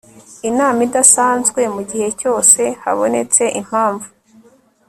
inama idasanzwe mu gihe cyose habonetse impamvu